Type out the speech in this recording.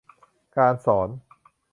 การสอน